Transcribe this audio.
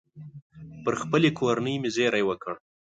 پر خپلې کورنۍ مې زېری وکړ.